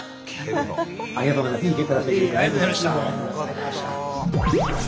ありがとうございます。